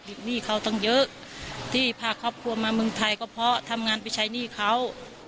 หนี้เขาตั้งเยอะที่พาครอบครัวมาเมืองไทยก็เพราะทำงานไปใช้หนี้เขา